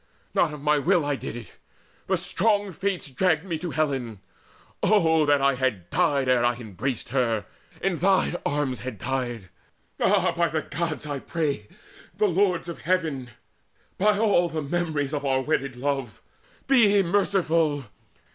Not of my will I did it: the strong Fates Dragged me to Helen oh that I had died Ere I embraced her in thine arms had died! All, by the Gods I pray, the Lords of Heaven, By all the memories of our wedded love, Be merciful!